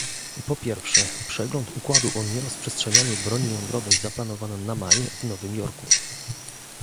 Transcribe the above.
po pierwsze, przegląd układu o nierozprzestrzenianiu broni jądrowej zaplanowano na maj w Nowym Jorku